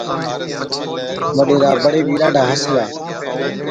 وڏيرا بڙي بِي ڏاڍا هسلا،